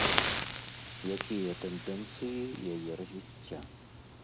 Якія тэндэнцыі яе развіцця?